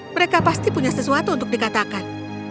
mereka pasti punya sesuatu untuk dikatakan